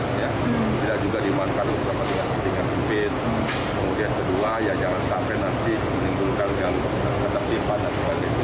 tidak juga dimanfaatkan maksudnya tinggal sempit kemudian kedua ya jangan sampai nanti menimbulkan yang ketepi pada sepanjang